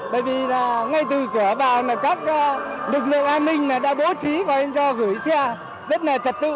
bởi vì ngay từ cửa vào các lực lượng an ninh đã bố trí và cho gửi xe rất là trật tự